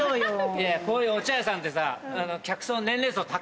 いやこういうお茶屋さんってさ客層。